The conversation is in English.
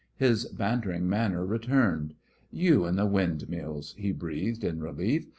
His bantering manner returned. "You and the windmills," he breathed, in relief.